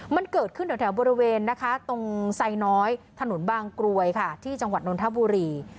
มันเกิดขึ้นแถวบริเวณนะคะตรงไซน้อยถนนบางกรวยค่ะที่จังหวัดนทบุรี